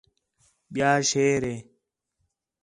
ٻیا شیر ہِے